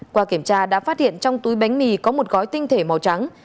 qua kiểm tra đã phát hiện trong túi bánh mì có một gói tinh thể màu trắng